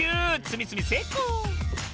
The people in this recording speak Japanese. つみつみせいこう！